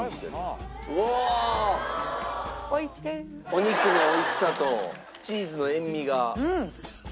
お肉の美味しさとチーズの塩味が。